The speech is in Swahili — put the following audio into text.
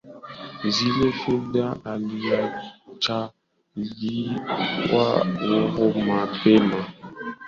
zile fedha aliachiliwa huru mapema mwaka uleuleBaada ya kuachiliwa kwake alisaidiwa na kuanzisha